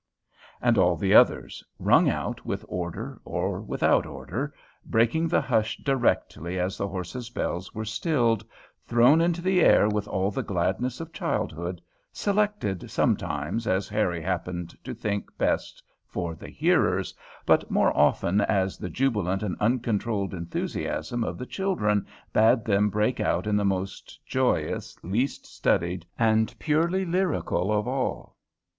and all the others, rung out with order or without order, breaking the hush directly as the horses' bells were stilled, thrown into the air with all the gladness of childhood, selected sometimes as Harry happened to think best for the hearers, but more often as the jubilant and uncontrolled enthusiasm of the children bade them break out in the most joyous, least studied, and purely lyrical of all.